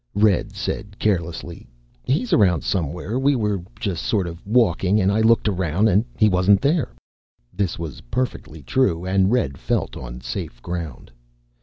Red said, carelessly, "He's around somewhere. We were just sort of walking and I looked around and he wasn't there." This was perfectly true, and Red felt on safe ground.